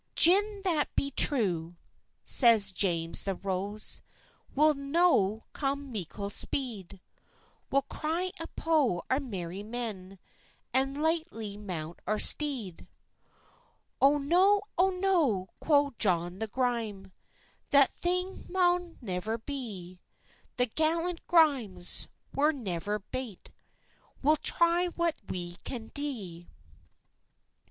"Gin that be true," says James the Rose, "We'll no come meikle speed; We'll cry upo our merry men, And lichtly mount our steed." "Oh no, oh no!" quo' John the Gryme, "That thing maun never be; The gallant Grymes were never bate, We'll try what we can dee."